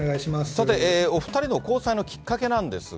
さて、お２人の交際のきっかけなんですが。